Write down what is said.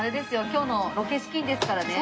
今日のロケ資金ですからね。